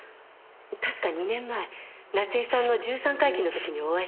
確か２年前夏恵さんの十三回忌の時にお会いして。